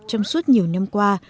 trong suốt nhiều năm qua